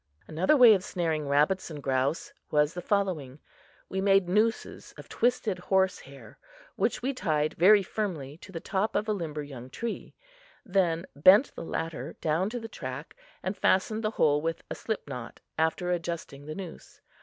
Another way of snaring rabbits and grouse was the following: We made nooses of twisted horsehair, which we tied very firmly to the top of a limber young tree, then bent the latter down to the track and fastened the whole with a slip knot, after adjusting the noose.